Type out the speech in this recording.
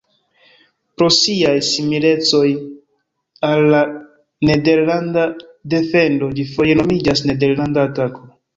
Pro siaj similecoj al la nederlanda defendo ĝi foje nomiĝas nederlanda atako.